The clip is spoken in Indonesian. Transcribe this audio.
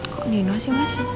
kok nino sih mas